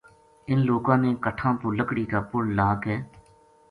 اِنھ لوکاں نے کَٹھاں پو لکڑی کا پل لا کے